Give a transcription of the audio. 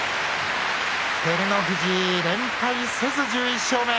照ノ富士連敗せず、１１勝目。